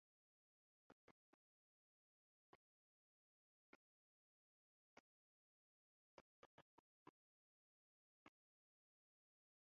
গৌড়ীয় বৈষ্ণব, বৈদিক ও শঙ্করের অনুগামীরা কৃষ্ণকে বিষ্ণু ও নারায়ণ এবং তার সকল অবতারের উৎস মনে করেন।